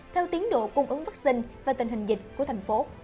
theo tiến độ cung ứng vaccine và tình hình dịch của thành phố